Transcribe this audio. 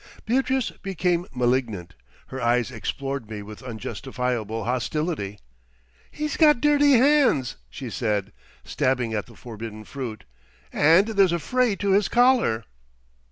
Beatrice became malignant. Her eyes explored me with unjustifiable hostility. "He's got dirty hands," she said, stabbing at the forbidden fruit. "And there's a fray to his collar."